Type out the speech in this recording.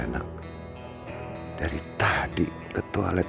anak dari tadi ke toilet